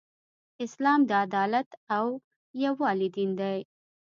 اسلام د عدالت او یووالی دین دی .